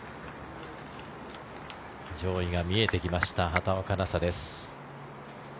上位が見えてきました畑岡奈紗です。